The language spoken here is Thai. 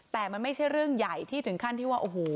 แต่มันไม่ใช่เรื่องใหญ่ที่ถึงขั้นที่ว่าโอ้โห